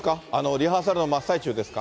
リハーサルの真っ最中ですか？